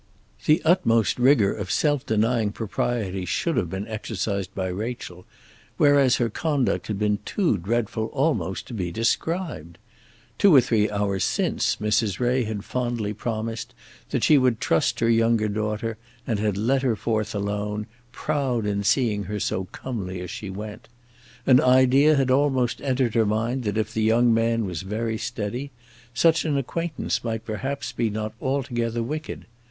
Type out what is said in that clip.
The utmost rigour of self denying propriety should have been exercised by Rachel, whereas her conduct had been too dreadful almost to be described. Two or three hours since Mrs. Ray had fondly promised that she would trust her younger daughter, and had let her forth alone, proud in seeing her so comely as she went. An idea had almost entered her mind that if the young man was very steady, such an acquaintance might perhaps be not altogether wicked.